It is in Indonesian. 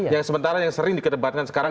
yang sementara yang sering dikedebatkan sekarang